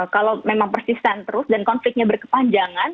kalau memang persisten terus dan konfliknya berkepanjangan